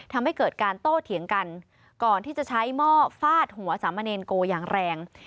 ทำให้เกิดการโต้เถียงกันก่อนที่จะใช้หม้อฟาดหัวสามเณรโกอย่างแรง